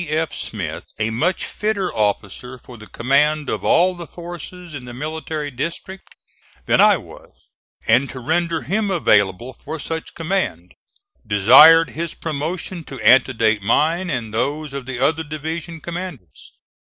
Smith a much fitter officer for the command of all the forces in the military district than I was, and, to render him available for such command, desired his promotion to antedate mine and those of the other division commanders.